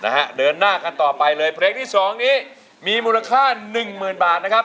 นะฮะเดินหน้ากันต่อไปเลยเพลงที่สองนี้มีมูลค่าหนึ่งหมื่นบาทนะครับ